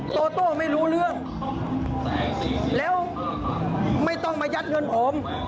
โตโต้ไม่รู้เรื่องแล้วไม่ต้องมายัดเงินผม